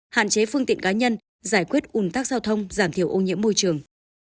hạn chế phương tiện cá nhân giải quyết ủn tắc giao thông giảm thiểu ô nhiễm môi trường